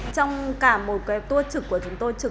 trong cả một cái tour trực của chúng tôi trực